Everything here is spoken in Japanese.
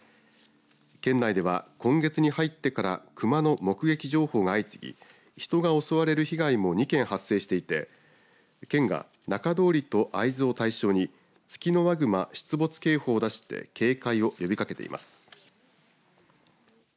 県内では、今月に入ってから熊の目撃情報が相次ぎ人が襲われる被害も２件発生していて県が中通りと会津を対象にツキノワグマ出没警報を出して警戒を呼びかけています。